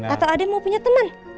atau ada yang mau punya teman